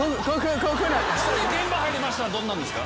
それで現場入りましたらどんなんですか？